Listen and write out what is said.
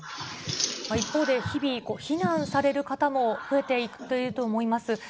一方で、日々、避難される方も増えていると思います。